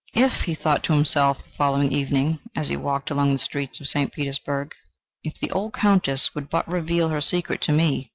"If," he thought to himself the following evening, as he walked along the streets of St. Petersburg, "if the old Countess would but reveal her secret to me!